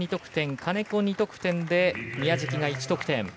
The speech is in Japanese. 金子２得点で宮食が１得点。